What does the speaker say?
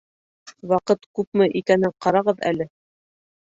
Ваҡыт күпме икәнен ҡарағыҙ әле.